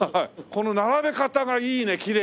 この並べ方がいいねきれいに。